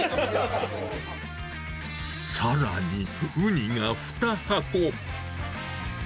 さらに、ウニが２箱。